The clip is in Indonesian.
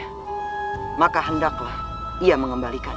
maka hendaklah ia mengembalikan